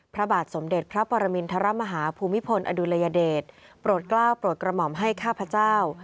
พระบาทสมเด็จพระปรมินทรมาฮาภูมิพลอดุลยเดชโปรดกล้าวโปรดกระหม่อมให้ข้าพเจ้า